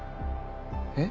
えっ？